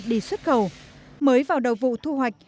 đi xuất khẩu mới vào đầu vụ thu hoạch